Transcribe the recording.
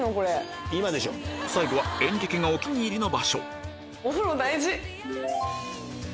最後はエンリケがお気に入りの場所